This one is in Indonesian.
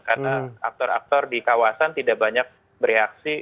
karena aktor aktor di kawasan tidak banyak bereaksi